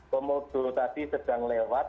komodo tadi sedang lewat